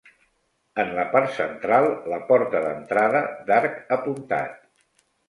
En la part central, la porta d'entrada d'arc apuntat.